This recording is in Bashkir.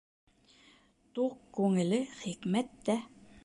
Туҡ күңеле хикмәттә.